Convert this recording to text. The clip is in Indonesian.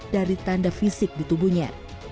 dari tanda fisik di tubuhnya